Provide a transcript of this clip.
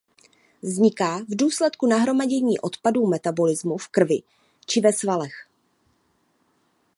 Vzniká v důsledku nahromadění odpadů metabolismu v krvi či ve svalech.